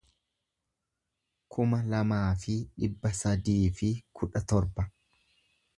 kuma lamaa fi dhibba sadii fi kudha torba